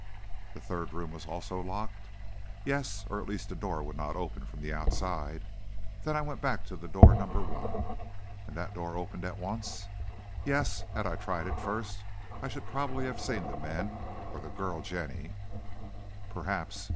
"The third room was also locked?" "Yes; or at least the door would not open from the outside. Then I went back to the door number one." "And that opened at once?" "Yes; had I tried that first, I should probably have seen the men, or the girl, Jenny." "Perhaps.